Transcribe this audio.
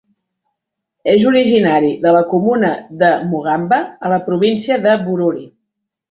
És originari de la comuna de Mugamba a la província de Bururi.